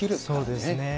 そうですね。